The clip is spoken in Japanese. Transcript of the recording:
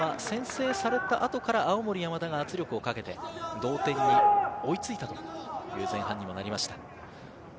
先制された後から青森山田が圧力をかけて同点に追いついたという前半にもなりました。